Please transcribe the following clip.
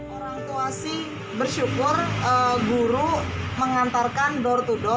orang tua sih bersyukur guru mengantarkan door to door